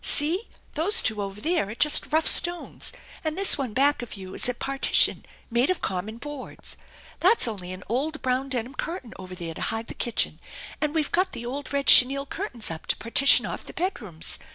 See. those two over there are just rough stones, and this one back of you is a partition made of com mon boards. That's only an old brown denim curtain over there to hide the kitchen, and we've got the old red chenille curtains up to partition off the bedrooms.